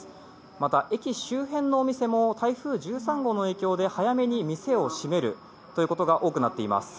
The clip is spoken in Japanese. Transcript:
また、駅周辺のお店も台風１３号の影響で早めに店を閉めるということが多くなっています。